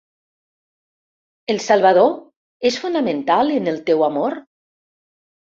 ¿El Salvador és fonamental en el teu amor?